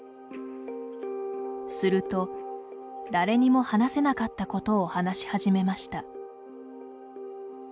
すると、誰にも話せなかったことを話し始めました。